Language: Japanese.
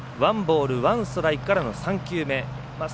ワンボールワンストライクからの３球目。